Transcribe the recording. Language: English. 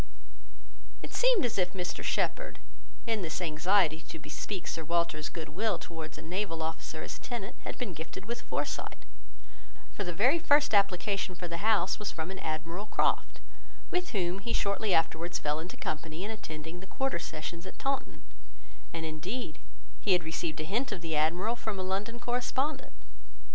It seemed as if Mr Shepherd, in this anxiety to bespeak Sir Walter's good will towards a naval officer as tenant, had been gifted with foresight; for the very first application for the house was from an Admiral Croft, with whom he shortly afterwards fell into company in attending the quarter sessions at Taunton; and indeed, he had received a hint of the Admiral from a London correspondent.